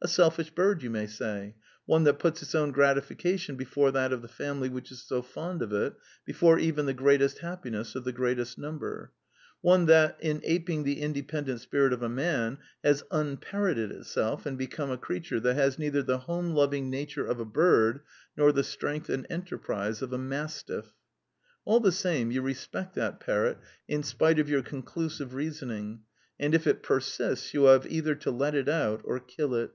A selfish bird, you may say : one that puts its own gratification before that of the family which is so fond of it — before even the greatest happiness of the greatest number: one that, in aping the independent spirit of a man, has un j parroted itself and become a creature that has neither the home loving nature of a bird nor the strength and enterprise of a mastifi. All the same, you respect that parrot in spite of your con clusive reasoning; and if it persists, you will have either to let it out or kill it.